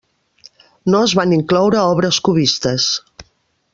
No es van incloure obres cubistes.